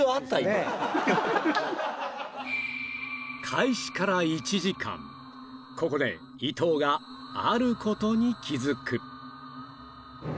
開始から１時間ここで伊藤があることに気づく！